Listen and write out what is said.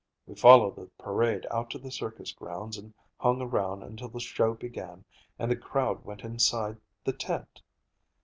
We followed the parade out to the circus grounds and hung around until the show began and the crowd went inside the tent.